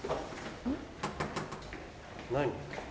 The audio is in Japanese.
何？